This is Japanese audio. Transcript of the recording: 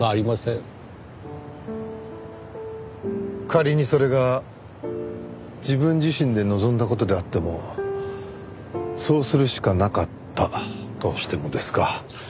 仮にそれが自分自身で望んだ事であってもそうするしかなかったとしてもですか？